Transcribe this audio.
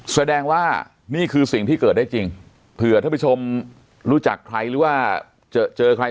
แสดงว่านี่คือสิ่งที่เกิดได้จริงเผื่อท่านผู้ชมรู้จักใครหรือว่าเจอใคร